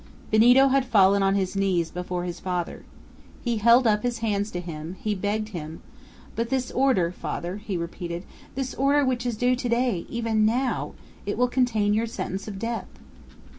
Benito had fallen on his knees before his father. He held up his hands to him; he begged him: "But this order, father," he repeated, "this order which is due to day even now it will contain your sentence of death."